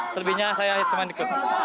selebihnya saya semangat ikut